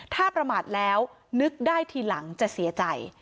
ถ้าประมาทแล้วนึกได้ทีหลังจะเสียใจ